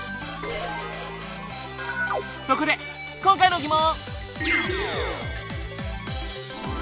そこで今回の疑問！